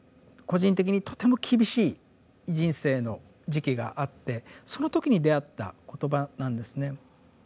個人的にとても厳しい人生の時期があってその時に出会った言葉なんですね。